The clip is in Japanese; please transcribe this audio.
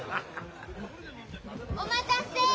お待たせ！